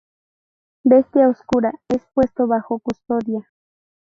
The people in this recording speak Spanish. Bestia Oscura es puesto bajo custodia.